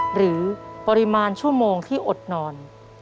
หรือปริมาณชั่วโมงที่อดนอน